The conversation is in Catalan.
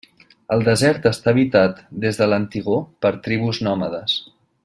El desert està habitat des de l'antigor per tribus nòmades.